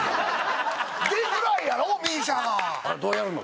出づらいやろＭＩＳＩＡがどうやるの？